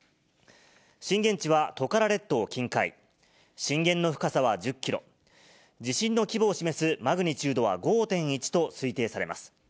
震源地はトカラ列島近海、震源の深さは１０キロ、地震の規模を示すマグニチュードは５．１と推定されます。